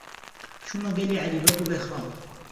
چوومە گەلی عەلی بەگ و بێخاڵ.